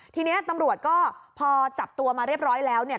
ทีนี้ตำรวจก็พอจับตัวมาเรียบร้อยแล้วเนี่ย